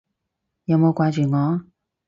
有冇掛住我？